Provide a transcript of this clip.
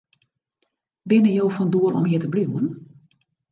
Binne jo fan doel om hjir te bliuwen?